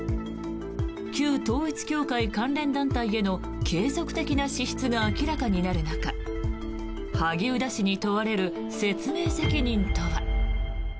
旧統一教会関連団体への継続的な支出が明らかになる中萩生田氏に問われる説明責任とは。